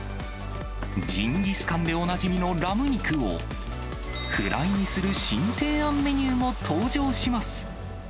ジンギスカンでおなじみのラム肉を、フライにする新提案メニューも登場します。